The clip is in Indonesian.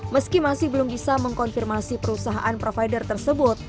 meski masih belum bisa mengkonfirmasi perusahaan provider tersebut